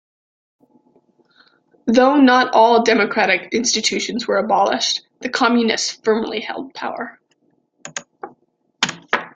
Though not all democratic institutions were abolished, the Communists firmly held power.